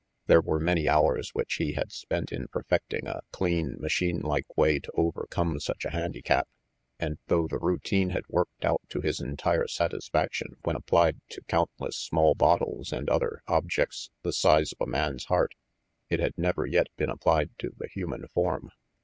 There were many hours which he had spent in perfecting a clean, machine like way to overcome such a handicap, and though the routine had worked out to his entire satisfaction when applied to count RANGY PETE 25 less small bottles and other objects the size of a man's heart, it had never yet been applied to the human form.